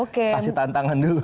kasih tantangan dulu